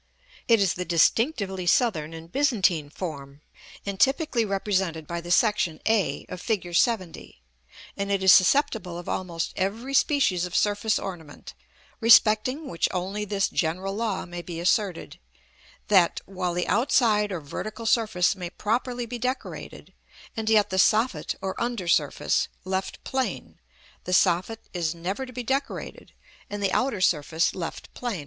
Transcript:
It is the distinctively Southern and Byzantine form, and typically represented by the section a, of Fig. LXX.; and it is susceptible of almost every species of surface ornament, respecting which only this general law may be asserted: that, while the outside or vertical surface may properly be decorated, and yet the soffit or under surface left plain, the soffit is never to be decorated, and the outer surface left plain.